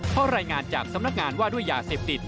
เพราะรายงานจากสำนักงานว่าด้วยยาเสพติด